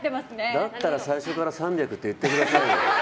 だったら最初から３００って言ってくださいよ。